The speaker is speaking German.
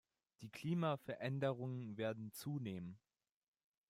Die Klimaveränderungen werden zunehmen.